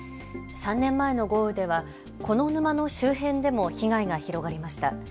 ３年前の豪雨ではこの沼の周辺でも被害が広がりました。